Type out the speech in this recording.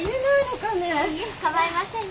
かまいませんよ。